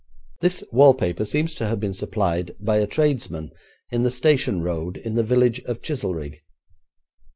This wallpaper seems to have been supplied by a tradesman in the station road in the village of Chizelrigg.'